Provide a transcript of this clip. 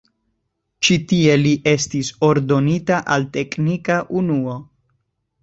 Ĉi tie li estis ordonita al teknika unuo.